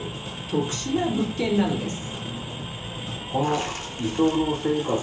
特殊な物件なのです